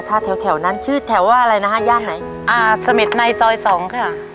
ถ้าแถวแถวนั้นชื่อแถวว่าอะไรนะฮะย่านไหนอ่าเสม็ดในซอยสองค่ะ